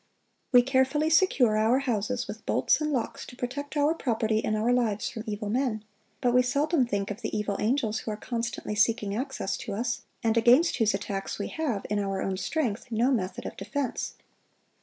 We carefully secure our houses with bolts and locks to protect our property and our lives from evil men; but we seldom think of the evil angels who are constantly seeking access to us, and against whose attacks we have, in our own strength, no method of defense.